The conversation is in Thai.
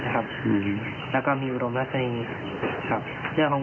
แต่หลักก็คือรูปร่างทั่วไปสูงยาและยาว